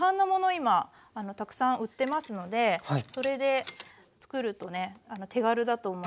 今たくさん売ってますのでそれでつくるとね手軽だと思います。